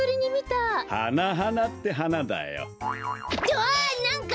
わなんか